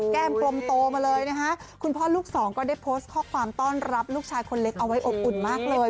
กลมโตมาเลยนะคะคุณพ่อลูกสองก็ได้โพสต์ข้อความต้อนรับลูกชายคนเล็กเอาไว้อบอุ่นมากเลย